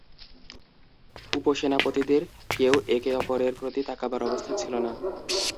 উপসেনাপতিদের কেউ একে অপরের প্রতি তাকাবার অবস্থা ছিল না।